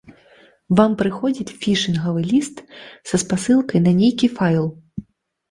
Вам прыходзіць фішынгавы ліст са спасылкай на нейкі файл.